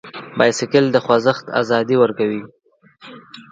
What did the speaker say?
بایسکل د خوځښت ازادي ورکوي.